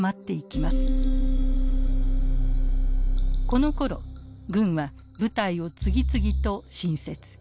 このころ軍は部隊を次々と新設。